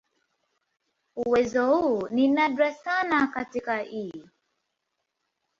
Uwezo huu ni nadra sana katika "E.